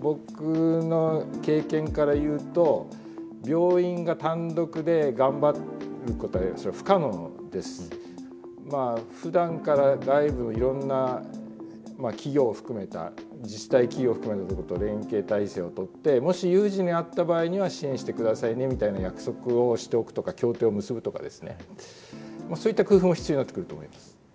僕の経験から言うと病院が単独で頑張ることはそれは不可能です。ふだんから外部いろんな企業を含めた自治体企業含めたとこと連携体制を取ってもし有事にあった場合には支援してくださいねみたいな約束をしておくとか協定を結ぶとかですねそういった工夫も必要になってくると思います。